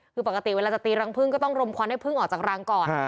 คือปกติเวลาจะตีรังพึ่งก็ต้องรมควันให้พึ่งออกจากรังก่อน